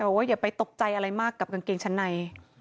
ว่าอย่าไปตกใจอะไรมากกับกางเกงชั้นใน